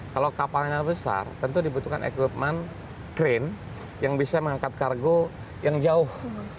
kalau kapalnya besar tentu dibutuhkan equipment crane yang bisa mengangkat kargo yang jauh